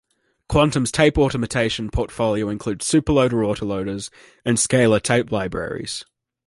Quantum's tape automation portfolio includes SuperLoader autoloaders and Scalar tape libraries.